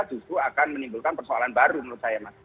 justru akan menimbulkan persoalan baru menurut saya mas